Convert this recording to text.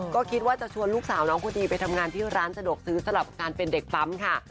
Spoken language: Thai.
ก็คิดว่าจะชวนลูกสาวน้องคนดีไปทำงานที่ร้านสะดวกซื้อสำหรับการเป็นเด็กปั๊มค่ะ